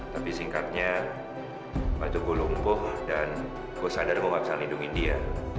tapi singkatnya waktu gue lumpuh dan gue sadar gue gak bisa lindungin dia